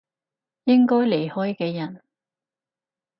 應該離開嘅人